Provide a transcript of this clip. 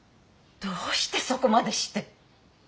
どうしてそこまでして。